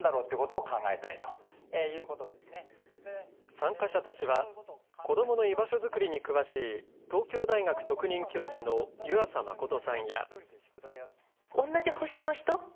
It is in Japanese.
参加者たちは子どもの居場所づくりに詳しい東京大学特任教授の湯浅誠さんや。